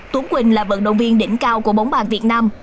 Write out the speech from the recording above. tuấn quỳnh là vận động viên đỉnh cao của bóng bàn việt nam